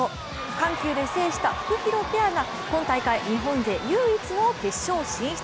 緩急で制したフクヒロペアが今大会、日本勢唯一の決勝進出。